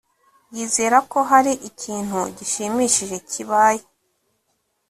Yizera ko hari ikintu gishimishije kibaye